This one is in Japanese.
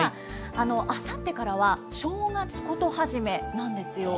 あさってからは正月事始めなんですよ。